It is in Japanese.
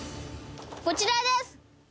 こちらです！